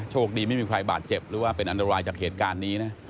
โชคดีไม่มีใครบาดเจ็บหรือว่าเป็นอันตรายจากเหตุการณ์นี้นะ